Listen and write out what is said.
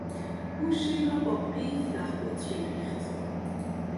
او شیر را با قیف در بطری ریخت.